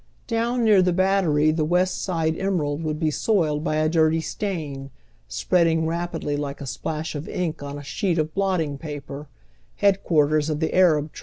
Down near the Battery the West Side emerald would be soiled by a dirty stain, spreading rapidly like a splash of ink on a sheet of blotting paper, headquai'ters of the Arab oyGoogle THE MIXED CROWD.